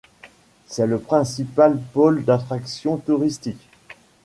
C'est le principal pôle d'attraction touristique.